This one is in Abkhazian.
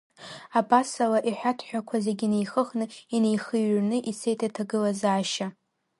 Абасала, иҳәаҭҳақәа зегьы неихыхны, инеихыҩрны ицеит аҭагылазаашьа.